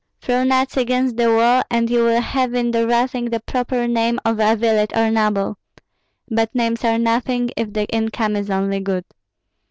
Throw nuts against the wall, and you will have in the rattling the proper name of a village or noble. But names are nothing if the income is only good."